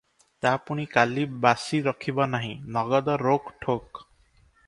ତା ପୁଣି କାଲି ବାସି ରଖିବ ନାହିଁ, ନଗଦ ରୋକ ଠୋକ୍ ।